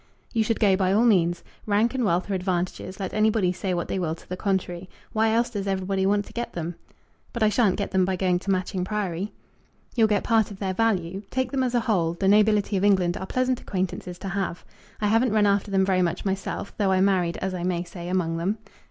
"You should go by all means. Rank and wealth are advantages, let anybody say what they will to the contrary. Why else does everybody want to get them?" "But I shan't get them by going to Matching Priory." "You'll get part of their value. Take them as a whole, the nobility of England are pleasant acquaintances to have. I haven't run after them very much myself, though I married, as I may say, among them.